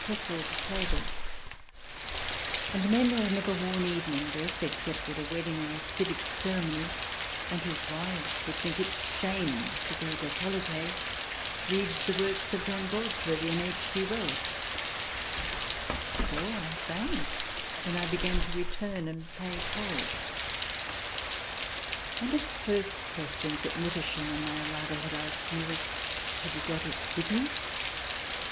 II] HAREM SKIRTS 23 the trestled table, and men who never have worn evening dress except at a wedding or a civic cere mony, and whose wives would think it shame to go decolletee, read the works of John Galsworthy and H. G. Wells. So I found when I began to return and pay calls. One of the first questions that Mutterchen, on my arrival, had asked me was :" Have you got it with you